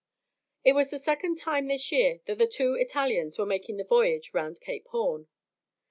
It was the second time this year that the two Italians were making the voyage round Cape Horn.